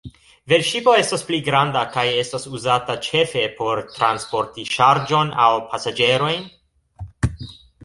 Velŝipo estas pli granda kaj estas uzata ĉefe por transporti ŝarĝon aŭ pasaĝerojn.